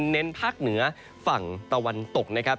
เน้นภาคเหนือฝั่งตะวันตกนะครับ